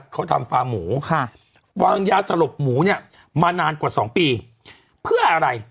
เขาทำฟาร์หมูค่ะวางยาสลบหมูเนี่ยมานานกว่า๒ปีเพื่ออะไร